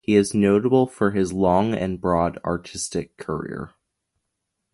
He is notable for his long and broad artistic career.